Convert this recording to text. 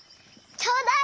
ちょうだい！